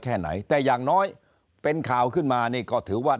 แค่ไหนแต่อย่างน้อยเป็นข่าวขึ้นมานี่ก็ถือว่า